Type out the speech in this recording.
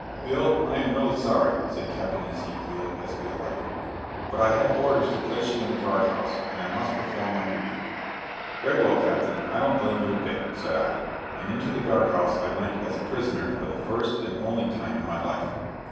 "Bill, I am really sorry," said Captain Ezekiel, as we alighted, "but I have orders to place you in the guard house, and I must perform my duty." "Very well, Captain; I don't blame you a bit," said I; and into the guard house I went as a prisoner for the first and only time in my life.